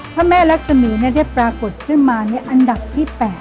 พระแม่รักษมีได้ปรากฏขึ้นมาอันดับที่๘